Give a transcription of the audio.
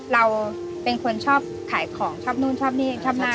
เราเป็นคนชอบขายของชอบนู่นชอบนี่ชอบนั่น